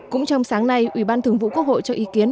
cũng trong sáng nay ủy ban thường vụ quốc hội cho ý kiến